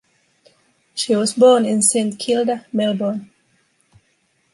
She was born in Saint Kilda, Melbourne.